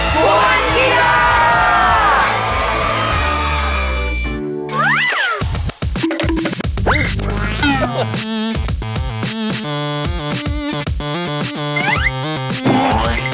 ควรกิจการ์